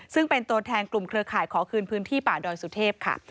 ซึ่งเป็นตัวแทนกลุ่มเครือข่ายขอคืนพื้นที่ป่าดอยสุเทพค่ะ